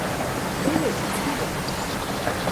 Evet, isterim.